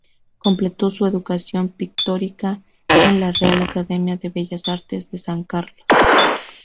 Completó su educación pictórica en la Real Academia de Bellas Artes de San Carlos.